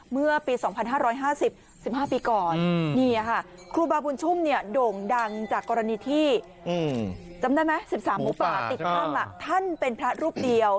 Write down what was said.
เมื่อปี๒๕๕๐๑๕ปีก่อนครูบาบุญชุ่มโด่งดังจากกรณีที่ท่านเป็นพระรูปเดียว